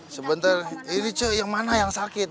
sebentar ini cuk yang mana yang sakit